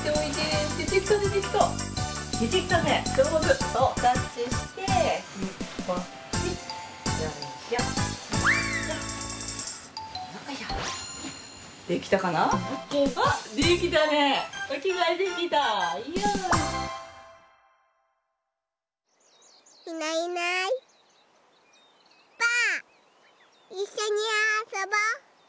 いっしょにあそぼ！